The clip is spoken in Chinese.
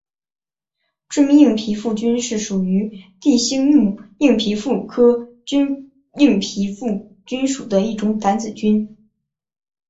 致密硬皮腹菌是属于地星目硬皮腹菌科硬皮腹菌属的一种担子菌。